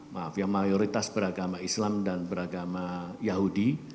maaf yang mayoritas beragama islam dan beragama yahudi